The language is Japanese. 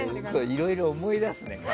いろいろ思い出すね。